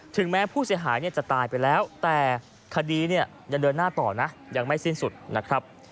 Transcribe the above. แม้ผู้เสียหายจะตายไปแล้วแต่คดีเนี่ยยังเดินหน้าต่อนะยังไม่สิ้นสุดนะครับ